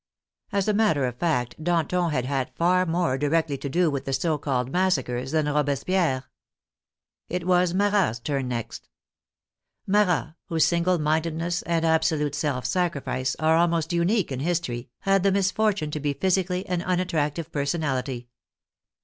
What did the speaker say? As a matter of fact, Danton had had far more directly to do with the so called massacres than Robespierre. It was Marat's turn next. Marat, whose single mindedness and absolute self sacrifice are almost unique in history, had the misfortune to be physically an unattractive per sonality.